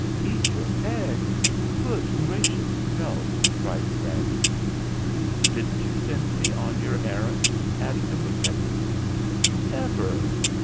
"Eat your eggs ! Good gracious, no !" cried the badger. "Didn't you send me on your errands?" asked the woodpecker. "Never!